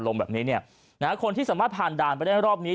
แบบนี้เนี่ยนะฮะคนที่สามารถผ่านด่านไปได้รอบนี้